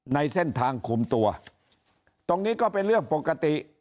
ในเส้นทางคุมตัวตรงนี้ก็เป็นเรื่องปกติ